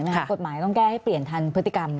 กฎหมายต้องแก้ให้เปลี่ยนทันพฤติกรรม